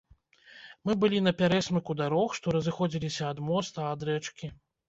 Мы былі на пярэсмыку дарог, што разыходзіліся ад моста, ад рэчкі.